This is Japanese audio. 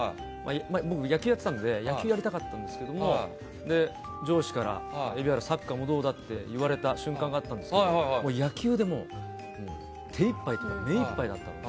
僕、野球やってたので野球やりたかったんですけど上司から蛯原サッカーはどうだって言われた瞬間があったんですけど野球で手いっぱい目いっぱいだったので